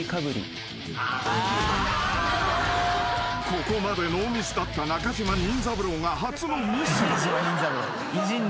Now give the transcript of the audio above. ［ここまでノーミスだった中島任三郎が初のミス］